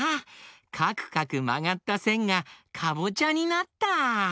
かくかくまがったせんがかぼちゃになった！